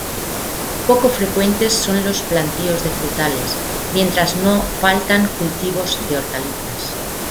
Poco frecuentes son los plantíos de frutales, mientras no faltan cultivos de hortalizas.